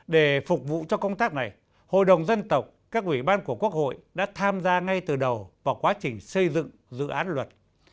để phục vụ cho công tác này hội đồng dân tộc các ủy ban của quốc hội đã tham gia ngay từ đầu vào quá trình xây dựng dự án luật